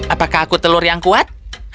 apakah aku telur yang kuat